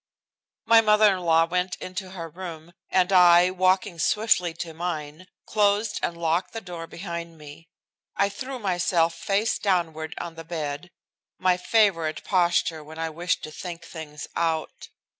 My mother in law went into her room, and I, walking swiftly to mine, closed and locked the door behind me. I threw myself face downward on the bed, my favorite posture when I wished to think things out.